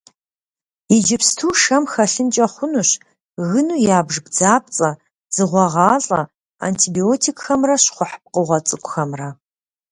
Иджыпсту шэм хэлъынкӀэ хъунущ гыну ябж бдзапцӀэ, дзыгъуэгъалӀэ, антибиотикхэмрэ щхъухь пкъыгъуэ цӀыкӀухэмрэ.